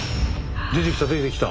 出てきた出てきた！